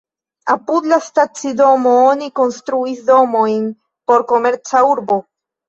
Apud la stacidomo oni konstruis domojn por komerca urbo.